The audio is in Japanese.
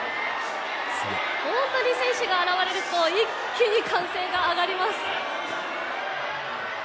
選手が現れると一気に歓声が上がります。